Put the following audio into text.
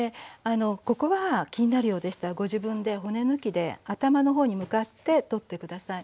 ここは気になるようでしたらご自分で骨抜きで頭の方に向かって取って下さい。